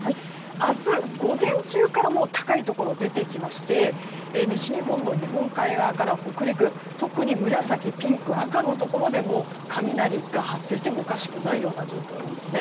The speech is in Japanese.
明日、午前中からもう高いところが出てきまして西日本の日本海側から北陸特に紫、ピンク、赤のところでもう雷が発生してもおかしくない状況なんですね。